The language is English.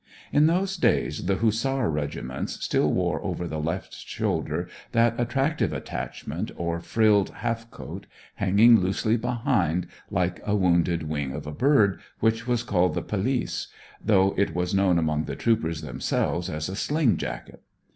In those days the Hussar regiments still wore over the left shoulder that attractive attachment, or frilled half coat, hanging loosely behind like the wounded wing of a bird, which was called the pelisse, though it was known among the troopers themselves as a 'sling jacket.'